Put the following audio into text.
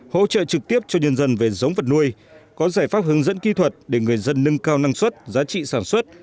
hỗ trợ trực tiếp cho nhân dân về giống vật nuôi có giải pháp hướng dẫn kỹ thuật để người dân nâng cao năng suất giá trị sản xuất